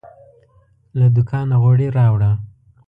له دوکانه غیړي راوړه